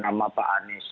nah maka kemudian pak anies